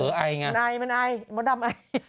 ใส่หน้ากากไว้๒คนนะเหรออุ๊ยเลยเหรอ